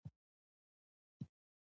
کلاشینکوف یعنې سپکه وسله وه